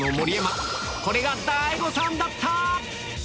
これが大誤算だった‼